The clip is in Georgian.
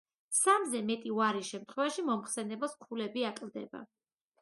სამზე მეტი უარის შემთხვევაში მომხსენებელს ქულები აკლდება.